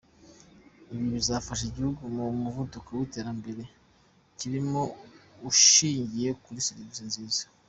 Ibi bizafasha igihugu mu muvuduko w’iterambere kirimo ushingiye kuri servisi nziza”.